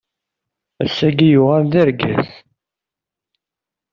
Ass-agi yuɣal d argaz.